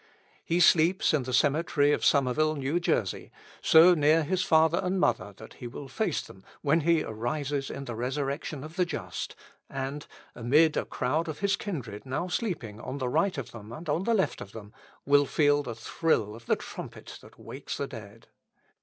He sleeps in the cemetery of Somerville, N.J., so near his father and mother that he will face them when he arises in the resurrection of the just, and, amid a crowd of his kindred now sleeping on the right of them and on the left of them, will feel the thrill of the trumpet that wakes the dead.